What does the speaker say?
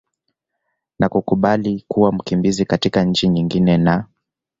na kukubali kuwa mkimbizi katika nchi nyingine na